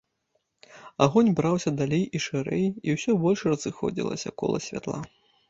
Агонь браўся далей і шырэй, і ўсё больш разыходзілася кола святла.